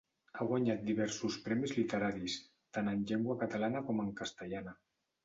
Ha guanyat diversos premis literaris, tant en llengua catalana com en castellana.